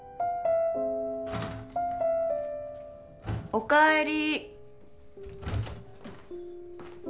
おかえり。